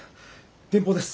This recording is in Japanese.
電報です！